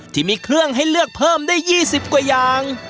ที่มีเครื่องให้เลือกเพิ่มได้๒๐กว่าอย่าง